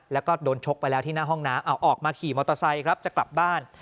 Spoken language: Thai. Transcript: แล้วก็โดนชกไปแล้วที่หน้าห้องน้ำเอาออกมาขี่มอเตอร์ไซค์ครับจะกลับบ้าน